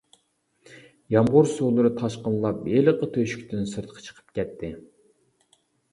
يامغۇر سۇلىرى تاشقىنلاپ ھېلىقى تۆشۈكتىن سىرتقا چىقىپ كەتتى.